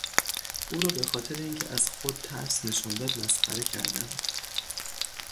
او را به خاطر اینکه از خود ترس نشان داد مسخره کردند.